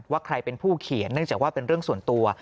ใครเป็นผู้เขียนเนื่องจากว่าเป็นเรื่องส่วนตัว